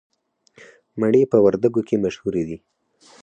مڼې په وردګو کې مشهورې دي